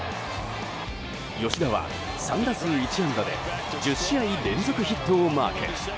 吉田は３打数１安打で１０試合連続ヒットをマーク。